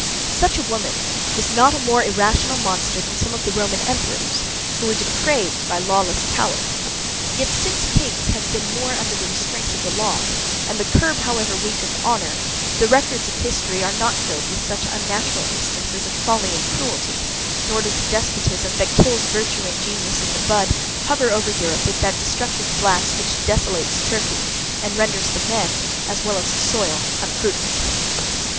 Such a woman is not a more irrational monster than some of the Roman emperors, who were depraved by lawless power. Yet, since kings have been more under the restraint of law, and the curb, however weak, of honour, the records of history are not filled with such unnatural instances of folly and cruelty, nor does the despotism that kills virtue and genius in the bud, hover over Europe with that destructive blast which desolates Turkey, and renders the men, as well as the soil unfruitful.